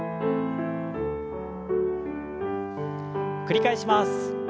繰り返します。